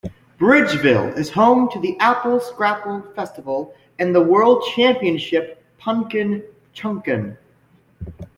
Bridgeville is home to the Apple Scrapple Festival and the World Championship Punkin Chunkin.